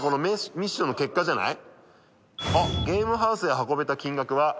ミッションの結果じゃない？